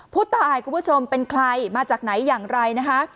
คุณผู้ชมเป็นใครมาจากไหนอย่างไรนะคะ